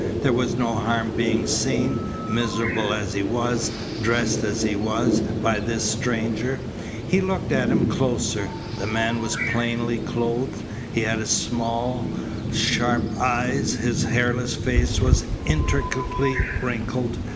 There was no harm being seen, miserable as he was, dressed as he was, by this stranger. He looked at him closer. The man was plainly clothed. He had small, sharp eyes. His hairless face was intricately wrinkled.